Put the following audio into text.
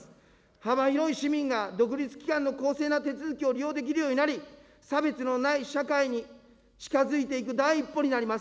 幅広い市民が、独立機関の公正な手続きを利用できるようになり、差別のない社会に近づいていく第一歩になります。